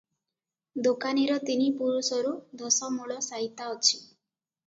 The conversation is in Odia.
ଦୋକାନୀର ତିନି ପୁରୁଷରୁ ଦଶମୂଳ ସାଇତା ଅଛି ।